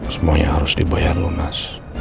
semuanya harus dibayar lunas